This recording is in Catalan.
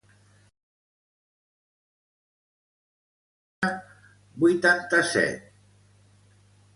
Quant és cinquanta-sis entre vuitanta-set?